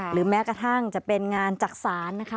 แม้กระทั่งจะเป็นงานจักษานนะคะ